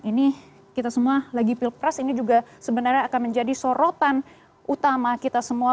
ini kita semua lagi pilpres ini juga sebenarnya akan menjadi sorotan utama kita semua